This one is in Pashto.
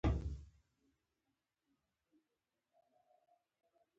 پسه باید منظم واکسین شي.